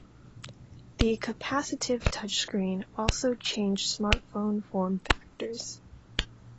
The capacitive touchscreen also changed smartphone form factors.